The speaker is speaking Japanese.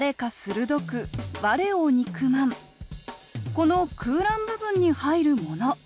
この空欄部分に入るもの